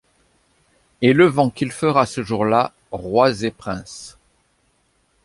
Et le vent qu'il fera ce jour-là, rois et princes